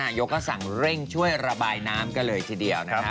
นานโยกษังเร่งช่วยระบายน้ำก็เลยทีเดียวนะครับ